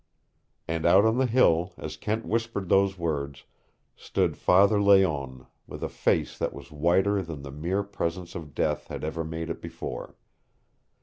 And out in the hall, as Kent whispered those words, stood Father Layonne, with a face that was whiter than the mere presence of death had ever made it before.